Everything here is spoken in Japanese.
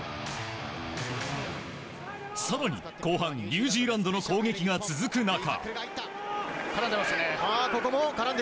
更に後半、ニュージーランドの攻撃が続く中。